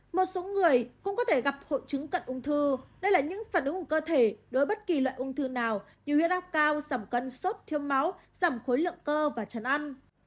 một số người cũng có thể gặp hội chứng cận ung thư đây là những phản ứng của cơ thể đối bất kỳ loại ung thư nào như huyết áp cao giảm cân sốt máu giảm khối lượng cơ và chân ăn